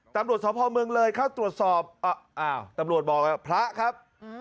ตำรวจสพเมืองเลยเข้าตรวจสอบอ้าวตำรวจบอกพระครับ